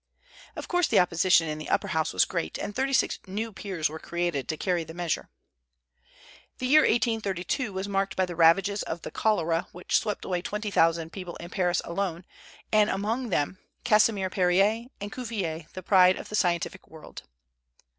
Of course the opposition in the upper house was great, and thirty six new peers were created to carry the measure. The year 1832 was marked by the ravages of the cholera, which swept away twenty thousand people in Paris alone, and among them Casimir Périer, and Cuvier the pride of the scientific world.